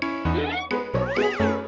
gigi permisi dulu ya mas